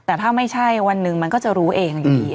แต่ถ้าไม่ใช่วันหนึ่งมันก็จะรู้เองอยู่ดี